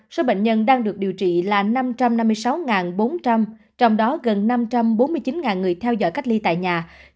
số bệnh nhân đang được điều trị là năm trăm năm mươi sáu bốn trăm linh trong đó gần năm trăm bốn mươi chín người theo dõi cách ly tại nhà